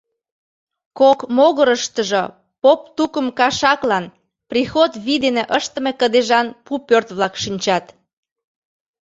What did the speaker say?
Кок могырыштыжо поп тукым кашаклан приход вий дене ыштыме кыдежан пу пӧрт-влак шинчат.